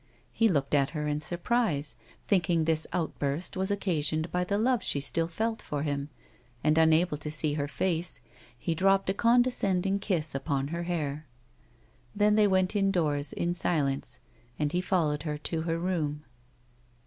He looked at her in surprise, thinking this outburst was occasioned by the love she still felt for him, and, unable to see her face, he dropped a condescending kiss upon her 168 A WOMAN'S LIFE. hair. Then they went indoors in silence and he followed her to her room.